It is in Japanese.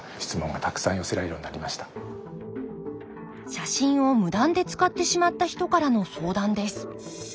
写真を無断で使ってしまった人からの相談です。